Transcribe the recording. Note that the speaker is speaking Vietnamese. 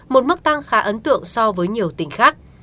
một mức tăng khá ấn tượng so với nhiều tỉnh khác